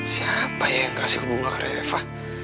siapa ya yang kasih bunga ke refa